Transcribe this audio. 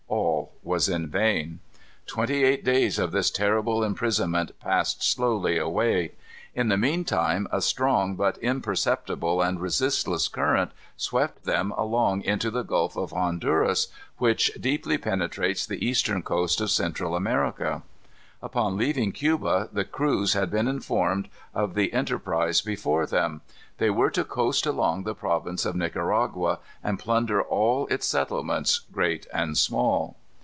All was in vain. Twenty eight days of this terrible imprisonment passed slowly away. In the mean time a strong, but imperceptible and resistless current swept them along into the Gulf of Honduras, which deeply penetrates the eastern coast of Central America. Upon leaving Cuba, the crews had been informed of the enterprise before them. They were to coast along the province of Nicaragua and plunder all its settlements, great and small.